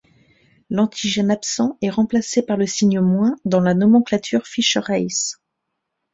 L'antigène absent est remplacé par le signe - dans la nomenclature Fisher Race.